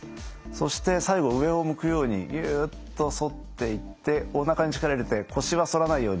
そして最後上を向くようにぎゅっと反っていっておなかに力入れて腰は反らないように。